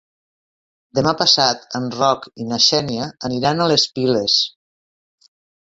Demà passat en Roc i na Xènia aniran a les Piles.